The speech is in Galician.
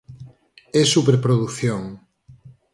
É superprodución.